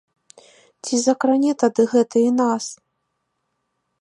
Ці закране тады гэта і нас?